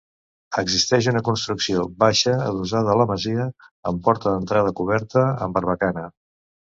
Existeix una construcció baixa adossada a la masia, amb porta d'entrada coberta amb barbacana.